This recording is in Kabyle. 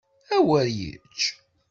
Awer yečč!